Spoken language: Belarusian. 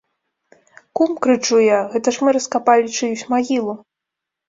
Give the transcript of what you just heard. Кум, крычу я, гэта ж мы раскапалі чыюсь магілу.